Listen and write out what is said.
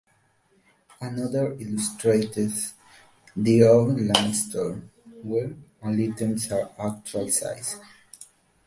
Another illustrates "the off-line store" where "All items are actual size!